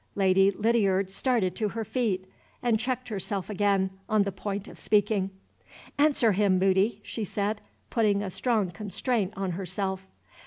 Lady Lydiard started to her feet and checked herself again, on the point of speaking. "Answer him, Moody," she said, putting a strong constraint on herself.